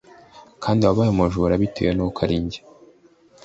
kandi wabaye umujura bitewe nuko arinjye